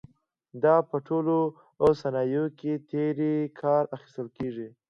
دا په ټولو صنایعو کې ترې کار اخیستل کېږي.